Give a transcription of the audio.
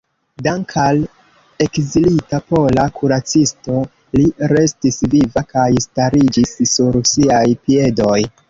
Dank‘ al ekzilita pola kuracisto li restis viva kaj stariĝis sur siaj piedoj.